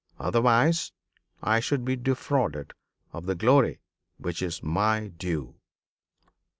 Otherwise, I should be defrauded of the glory which is my due."